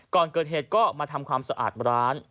ก่อนเกิดเหตุก็มาทำความสะอาดร้าน